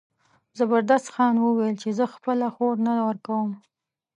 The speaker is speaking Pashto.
زبردست خان وویل چې زه خپله خور نه ورکوم.